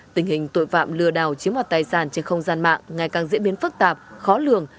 tình hình tội phạm lừa đảo chiếm hoạt tài sản trên không gian mạng ngày càng diễn biến phức tạp khó lường